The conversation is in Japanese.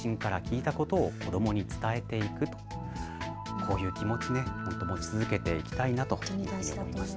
こういう気持ち、持ち続けていきたいなと思いました。